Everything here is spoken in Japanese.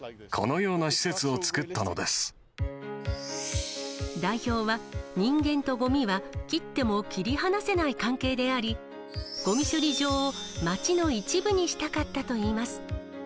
だから、代表は、人間とごみは切っても切り離せない関係であり、ごみ処理場を街の一部にしたかったといいます。